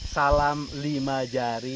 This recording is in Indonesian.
salam lima jari